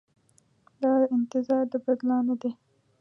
دا انتظار د بدلانه دی.